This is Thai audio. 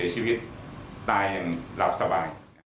ใช่ค่ะ